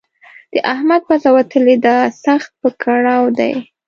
د احمد پزه وتلې ده؛ سخت په کړاو دی.